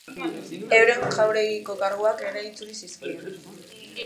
Euren jauregiko karguak ere itzuli zizkien.